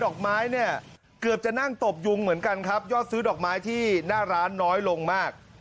ดอกไม้เนี่ยเกือบจะนั่งตบยุงเหมือนกันครับยอดซื้อดอกไม้ที่หน้าร้านน้อยลงมาก